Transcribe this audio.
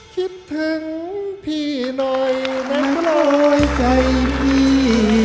คิดถึงพี่หน่อยหน่อยใจพี่